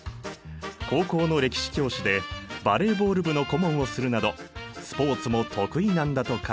高校の歴史教師でバレーボール部の顧問をするなどスポーツも得意なんだとか！